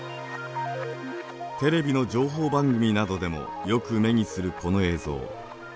テレビの情報番組などでもよく目にするこの映像。